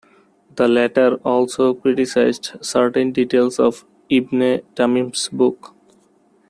The latter also criticized certain details of Ibn Tamim's book.